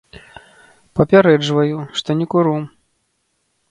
Папярэджваю, што не куру.